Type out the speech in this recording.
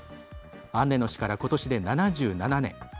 アンネの死から、ことしで７７年。